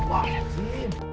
wah liat sini